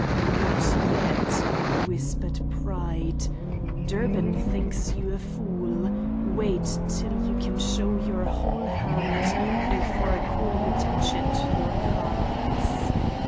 "Not yet," whispered pride. "Durbin thinks you a fool. Wait till you can show your whole hand before calling attention to your cards."